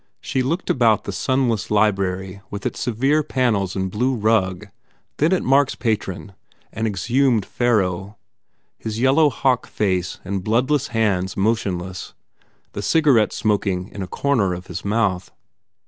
She looked about the sinless library with its severe panels and blue rug then at Mark s patron an exhumed Pharaoh, his yellow hawk face and bloodless hands motionless, the cigarette smoking in a corner of his mouth.